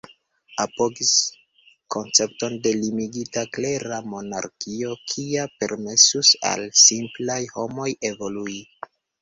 Apogis koncepton de limigita, klera monarkio, kia permesus al simplaj homoj evolui.